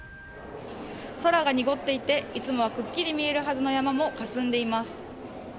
空が濁っていて、いつもはくっきり見えるはずの山もかすんでいます。